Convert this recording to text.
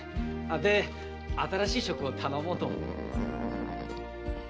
で新しい職を頼もうと。